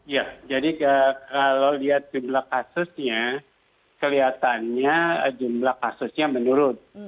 ya jadi kalau lihat jumlah kasusnya kelihatannya jumlah kasusnya menurun